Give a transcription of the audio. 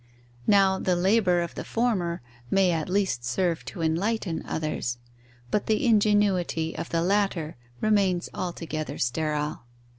Now, the labour of the former may at least serve to enlighten others; but the ingenuity of the latter remains altogether sterile.